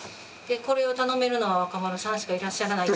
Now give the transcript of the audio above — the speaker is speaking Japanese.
これを頼めるのは若丸さんしかいらっしゃらない。